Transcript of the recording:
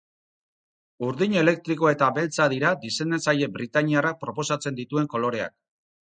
Urdin elektrikoa eta beltza dira diseinatzaile britainiarrak proposatzen dituen koloreak.